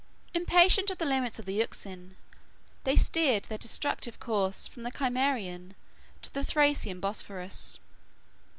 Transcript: Impatient of the limits of the Euxine, they steered their destructive course from the Cimmerian to the Thracian Bosphorus.